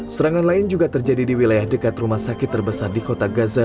serangan lain juga terjadi di wilayah dekat rumah sakit terbesar di kota gaza